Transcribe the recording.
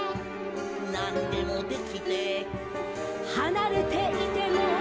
「なんでもできて」「はなれていても」